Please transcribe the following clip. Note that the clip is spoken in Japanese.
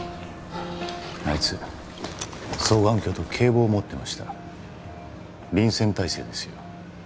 あいつ双眼鏡と警棒を持ってました臨戦態勢ですよ